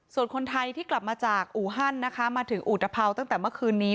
ส่วนคนไทยที่กลับมาจากอูฮันนะคะมาถึงอุตภัวร์ตั้งแต่เมื่อคืนนี้